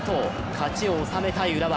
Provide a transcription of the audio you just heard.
勝ちを収めたい浦和。